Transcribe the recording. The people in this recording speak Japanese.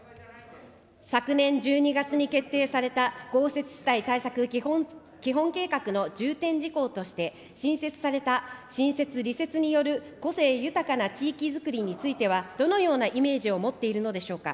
昨年１２月に決定された、豪雪地帯対策基本計画の重点事項として新設された、親雪・利雪による個性豊かな地域づくりについては、どのようなイメージを持っているのでしょうか。